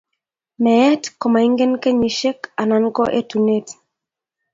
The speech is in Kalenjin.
Meet komaingen kenyisiek anan ko etunet